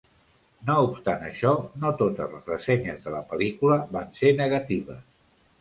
No obstant això, no totes les ressenyes de la pel·lícula van ser negatives.